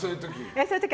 そういう時。